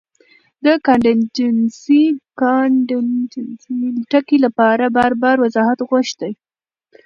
د کانټېنجنسي ټکي له پاره بار بار وضاحت غوښتۀ